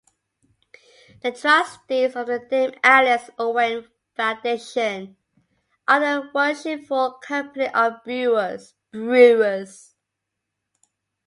The trustees of the Dame Alice Owen Foundation are the Worshipful Company of Brewers.